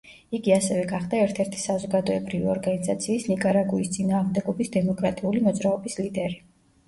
იგი ასევე გახდა ერთ-ერთი საზოგადოებრივი ორგანიზაციის ნიკარაგუის წინააღმდეგობის დემოკრატიული მოძრაობის ლიდერი.